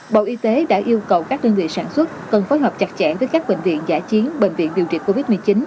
bộ y tế đã yêu cầu các đơn vị sản xuất cần phối hợp chặt chẽ với các bệnh viện giả chiến bệnh viện điều trị covid một mươi chín